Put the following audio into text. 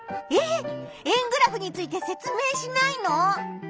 円グラフについて説明しないの？